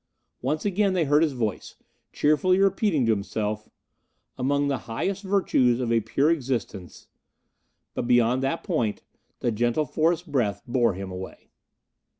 Once again they heard his voice, cheerfully repeating to himself; "Among the highest virtues of a pure existence " But beyond that point the gentle forest breath bore him away.